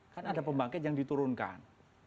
kan ada pembangkit yang diturunkan